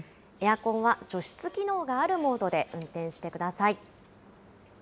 エアコンは除湿機能があるモードで運転してください。